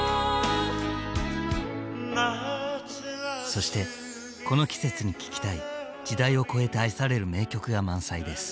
そしてこの季節に聴きたい時代を超えて愛される名曲が満載です。